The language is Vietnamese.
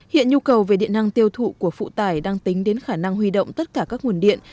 hiện nhu cầu về điện năng tiêu thụ của phụ tải đang tính đến khả năng huy động tất cả các nguồn điện